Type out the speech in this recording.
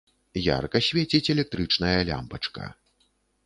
Ярка свеціць электрычная лямпачка.